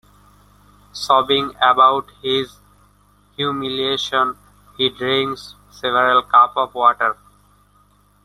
Sobbing about his humiliation, he drinks several cups of water.